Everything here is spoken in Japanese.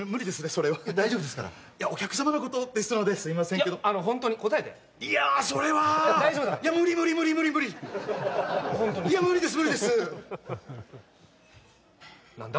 それは大丈夫ですからいやお客様のことですのですいませんけどいやあのホントに答えていやあそれは大丈夫だから無理無理無理無理無理ホントにいや無理です無理です何だ？